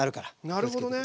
なるほどね。